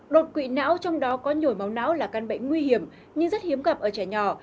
đột quỵ não trong đó có nhồi máu não là căn bệnh nguy hiểm nhưng rất hiếm gặp ở trẻ nhỏ